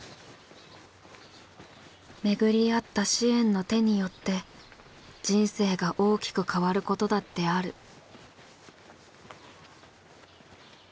巡り会った支援の手によって人生が大きく変わることだってある。